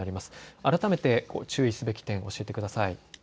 改めて注意すべき点を教えてください。